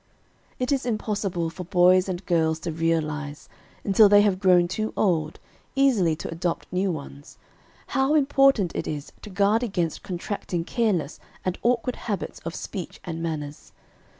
It is impossible for boys and girls to realize, until they have grown too old, easily to adopt new ones, how important it is to guard against contracting careless and awkward habits of speech and manners.